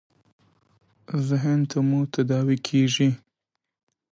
ذهن ته مو تداعي کېږي .